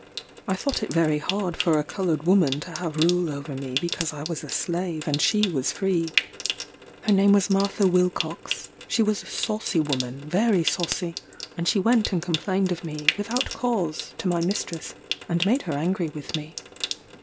I thought it very hard for a coloured woman to have rule over me because I was a slave and she was free. Her name was Martha Wilcox; she was a saucy woman, very saucy; and she went and complained of me, without cause, to my mistress, and made her angry with me.